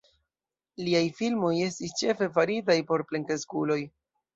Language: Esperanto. Liaj filmoj estis ĉefe faritaj por plenkreskuloj.